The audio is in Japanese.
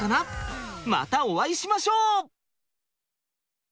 またお会いしましょう！